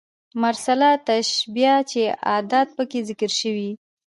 مرسله تشبېه چي ادات پکښي ذکر سوي يي.